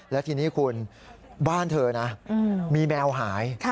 แล้วทีนี้คุณบ้านเธอนะมีแมวหาย